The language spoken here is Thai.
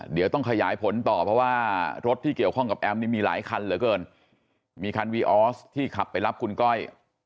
เดี๋ยวต้องขยายผลต่อเพราะว่ารถที่เกี่ยวข้องกับแอมนี่มีหลายคันเหลือเกินมีคันวีออสที่ขับไปรับคุณก้อย